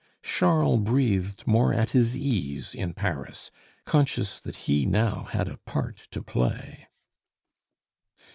Charles breathed more at his ease in Paris, conscious that he now had a part to play.